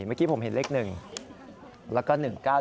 เมื่อกี้ผมเห็นเลขหนึ่งแล้วก็๑๙๗๖